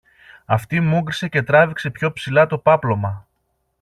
Αυτή μούγκρισε και τράβηξε πιο ψηλά το πάπλωμα